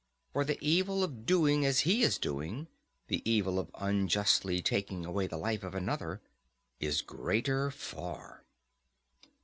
For the evil of doing as he is doing—the evil of unjustly taking away the life of another—is greater far.